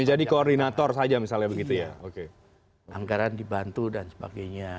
anggaran dibantu dan sebagainya